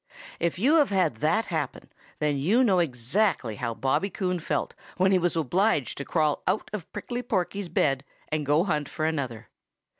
|IF you have had that happen, then you know exactly how Bobby Coon felt when he was obliged to crawl out of Prickly Porky's bed and go hunt for another.